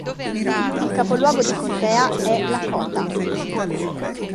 Il capoluogo di contea è Lakota.